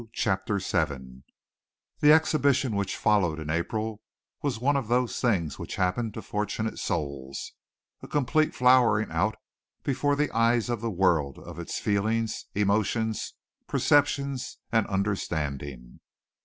CHAPTER VII The exhibition which followed in April was one of those things which happen to fortunate souls a complete flowering out before the eyes of the world of its feelings, emotions, perceptions, and understanding.